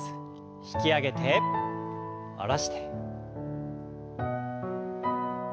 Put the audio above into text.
引き上げて下ろして。